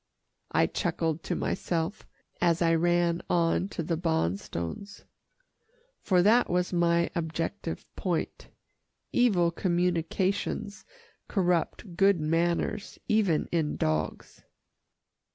I chuckled to myself, as I ran on to the Bonstones, for that was my objective point. Evil communications corrupt good manners even in dogs.